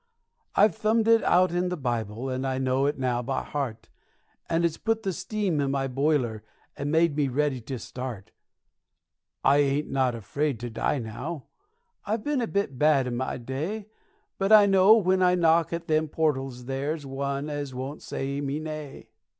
I've thumbed it out in the Bible, and I know it now by heart, And it's put the steam in my boiler, and made me ready to start. I ain't not afraid to die now; I've been a bit bad in my day, But I know when I knock at them portals there's one as won't say me nay.